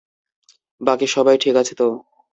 বাকি সবাই ঠিক আছে তো?